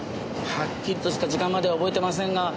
はっきりとした時間までは覚えていませんが。